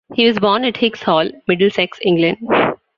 He was born at Hicks Hall, Middlesex, England.